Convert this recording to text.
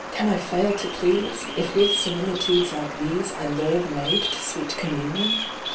can I fail to please If with similitudes like these I lure the maid to sweet communion